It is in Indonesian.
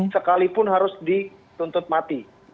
sekalipun harus dituntut mati